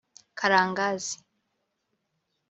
Karangazi